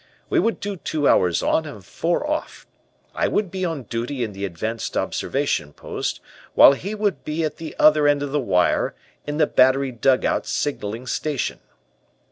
We would do two hours on and four off. I would be on duty in the advanced observation post, while he would be at the other end of the wire in the battery dugout signaling station.